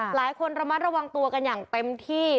หลายคนระมัดระวังตัวกันอย่างเต็มที่